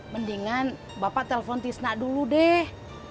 mendingan bapak telpon tisna dulu deh